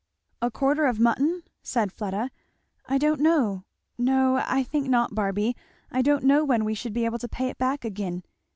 "A quarter of mutton?" said Fleda, "I don't know no, I think not, Barby; I don't know when we should be able to pay it back again.